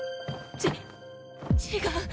ち違う。